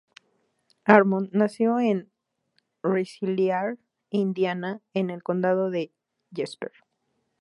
Harmon nació en Rensselaer, Indiana, en el condado de Jasper.